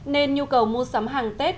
nên nhu cầu mua sắm hàng tết